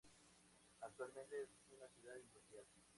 Actualmente es una ciudad industrial.